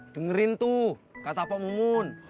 dengerin tuh kata pak mumun